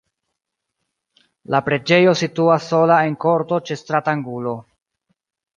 La preĝejo situas sola en korto ĉe stratangulo.